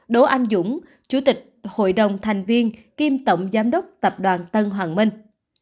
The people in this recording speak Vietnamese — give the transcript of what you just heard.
đỗ anh dũng chủ tịch hội đồng thành viên kiêm tổng giám đốc tập đoàn tân hoàng minh